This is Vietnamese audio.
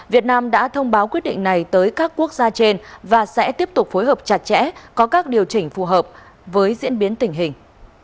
việt nam đã thông báo quyết định này tới các quốc gia trên và sẽ tiếp tục phối hợp chặt chẽ có các điều chỉnh phù hợp với diễn biến tình hình